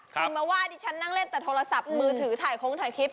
คุณมาว่าดิฉันนั่งเล่นแต่โทรศัพท์มือถือถ่ายโค้งถ่ายคลิป